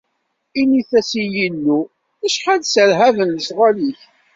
Init-as i Yillu: acḥal sserhaben lecɣal-ik!